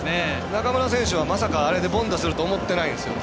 中村選手はまさかあれで凡打するとは思ってないんですよ。